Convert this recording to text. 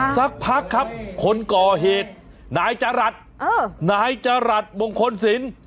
สักพักครับคนก่อเหตุนายจรัสนายจรัสมงคลศิลป์